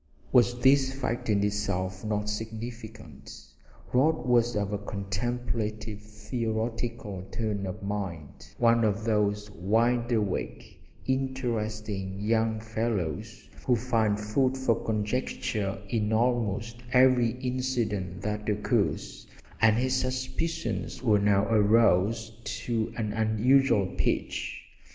Was this fact in itself not significant? Rod was of a contemplative theoretical turn of mind, one of those wide awake, interesting young fellows who find food for conjecture in almost every incident that occurs, and his suspicions were now aroused to an unusual pitch.